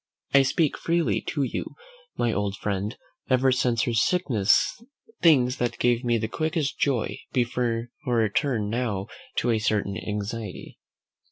I speak freely to you, my old friend: ever since her sickness, things that gave me the quickest joy before turn now to a certain anxiety.